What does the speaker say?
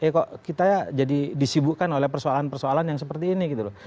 kok kita jadi disibukkan oleh persoalan persoalan yang seperti ini gitu loh